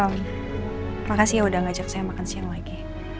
makasih udah ngajak saya makan siang lagi